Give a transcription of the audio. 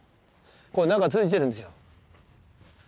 中通じてるんですよ。